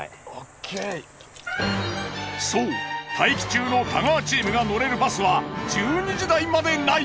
そう待機中の太川チームが乗れるバスは１２時台までない。